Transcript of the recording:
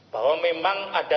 bahwa memang ada